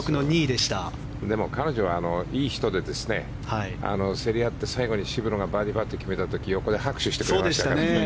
でも彼女はいい人で競り合って最後に渋野がバーディーパット決めた時横で拍手してましたから。